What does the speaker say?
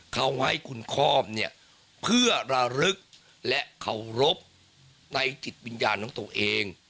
เขาให้คุณคอมเนี่ยเพื่อระลึกและเคารพในจิตวิญญาณของตัวเอง